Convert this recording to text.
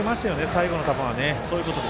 最後の球はね。